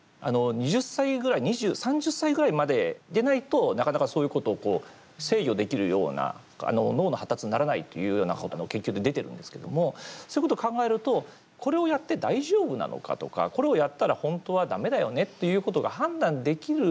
２０歳ぐらい３０歳ぐらいまででないとなかなかそういうことをこう制御できるような脳の発達にならないっていうようなことが研究で出てるんですけどもそういうことを考えるとこれをやって大丈夫なのかとかそうですね